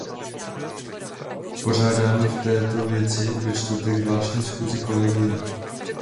Pořádáme v této věci ve čtvrtek zvláštní schůzi kolegia.